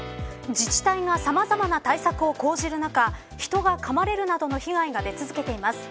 自治体がさまざまな対策を講じる中人がかまれるなどの被害が出続けています。